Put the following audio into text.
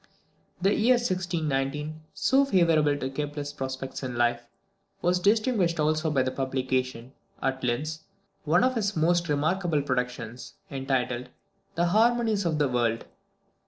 The year 1619, so favourable to Kepler's prospects in life, was distinguished also by the publication, at Linz, of one of his most remarkable productions, entitled "The Harmonies of the World."